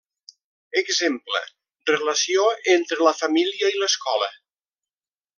Exemple: relació entre la família i l'escola.